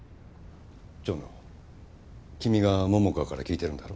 蝶野君が桃花から聞いてるんだろ？